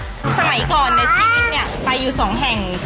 สมัยก่อนในชีวิตไปอยู่สองแห่งค่ะ